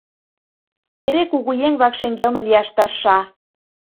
эре кугуеҥ-влак шеҥгелне лияш тырша.